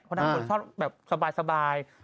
เพราะนางคนชอบแบบสบาย